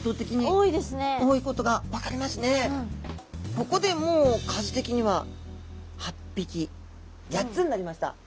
ここでもう数的には８匹８つになりました。